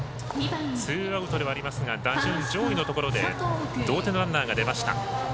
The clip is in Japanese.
ツーアウトではありますが打順、上位のところで同点のランナーが出ました。